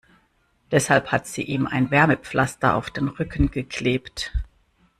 Deshalb hat sie ihm ein Wärmepflaster auf den Rücken geklebt.